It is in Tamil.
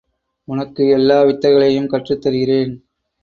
உனக்கு எல்லா வித்தைகளையும் கற்றுத் தருகிறேன்.